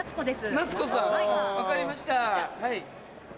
なつこさん分かりました。